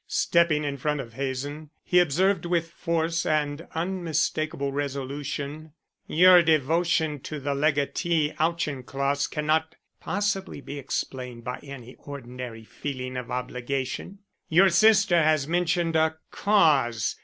Stepping in front of Hazen, he observed with force and unmistakable resolution: "Your devotion to the legatee Auchincloss cannot possibly be explained by any ordinary feeling of obligation. Your sister has mentioned a Cause.